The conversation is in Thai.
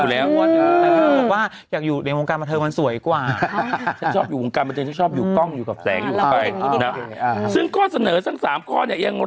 ซึ่งฝากอยากอยู่ในวงการลัทธินฯมันสวยกว่าชอบอยู่วงการลัทธินฯชอบอยู่ก้องอยู่กับแสงนะเรานี้ดีดี